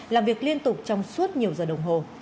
làm việc liên tục trong suốt nhiều giờ đồng hồ